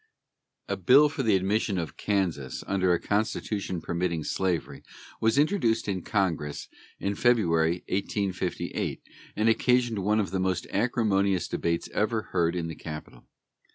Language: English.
A bill for the admission of Kansas under a constitution permitting slavery was introduced in Congress in February, 1858, and occasioned one of the most acrimonious debates ever heard at the Capital.